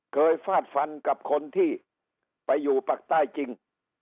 เคยฟาดฟันกับคนที่ไปอยู่ภศจริง